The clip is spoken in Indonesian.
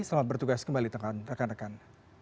selamat bertugas kembali rekan rekan